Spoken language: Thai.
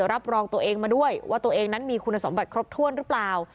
รับรองตัวเองมาด้วยว่าตัวเองนั้นมีคุณสมบัติครบถ้วนหรือเปล่า